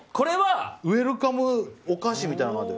ウェルカムお菓子みたいなのある。